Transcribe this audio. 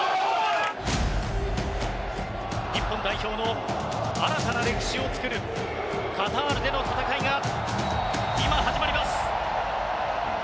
日本代表の新たな歴史を作るカタールでの戦いが今、始まります。